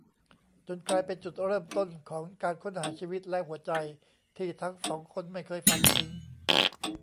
จนกลายเป็นจุดเริ่มต้นของการค้นหาชีวิตและหัวใจที่ทั้งสองคนไม่เคยฝันถึง